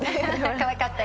「かわいかったよ」